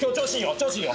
調子いいよ！